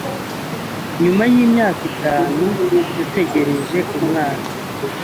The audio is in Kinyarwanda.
nyuma y’imyaka itanu dutegereje umwana,